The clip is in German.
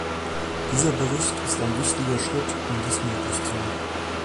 Dieser Bericht ist ein wichtiger Schritt, um dies möglich zu machen.